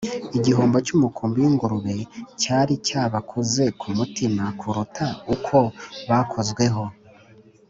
igihombo cy’umukumbi w’ingurube cyari cyabakoze ku mutima kuruta uko bakozweho